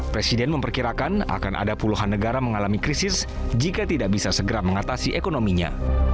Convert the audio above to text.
presiden memperkirakan akan ada puluhan negara mengalami krisis jika tidak bisa segera mengatasi ekonominya